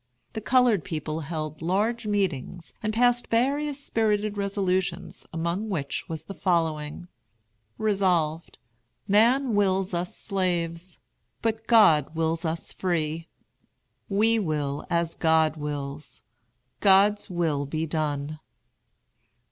The colored people held large meetings, and passed various spirited resolutions, among which was the following: "Resolved, Man wills us slaves, but God wills us free. We will as God wills. God's will be done."